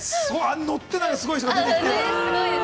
◆乗って、すごい人が出てきて。